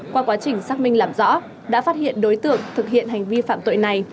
qua quá trình xác minh làm rõ đã phát hiện đối tượng thực hiện hành vi phạm tội này